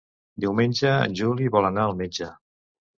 Diumenge en Juli vol anar al metge.